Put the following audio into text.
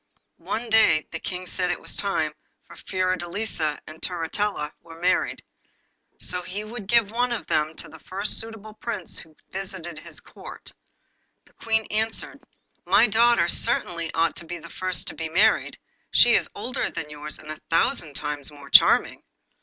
One day the King said that it was time Fiordelisa and Turritella were married, so he would give one of them to the first suitable Prince who visited his Court. The Queen answered: 'My daughter certainly ought to be the first to be married; she is older than yours, and a thousand times more charming!